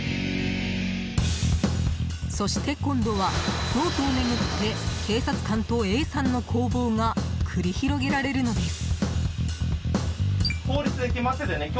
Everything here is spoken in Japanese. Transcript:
そして今度はノートを巡って警察官とＡさんの攻防が繰り広げられるのです。